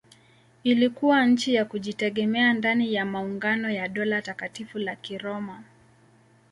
Ilikuwa nchi ya kujitegemea ndani ya maungano ya Dola Takatifu la Kiroma.